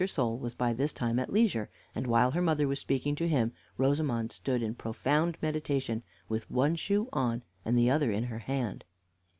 Sole was by this time at leisure, and while her mother was speaking to him, Rosamond stood in profound meditation, with one shoe on, and the other in her hand.